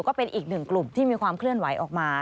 ก็เป็นอีกหนึ่งกลุ่มที่มีความเคลื่อนไหวออกมา